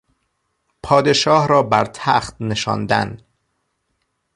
پادشاه را بر تخت نشاندن